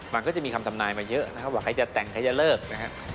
มันก็จะมีคำทำนายมาเยอะนะครับว่าใครจะแต่งใครจะเลิกนะครับ